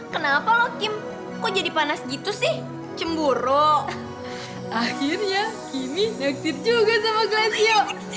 kenapa lo kim kok jadi panas gitu sih cemburu akhirnya kini nyaktif juga sama glassio